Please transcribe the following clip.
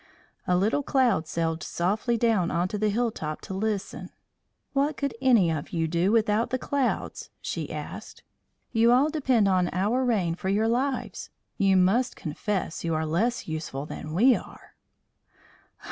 A little cloud sailed softly down on to the hill top to listen. "What could any of you do without the clouds?" she asked. "You all depend on our rain for your lives; you must confess you are less useful than we are."